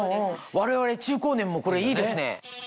我々中高年もこれいいですね。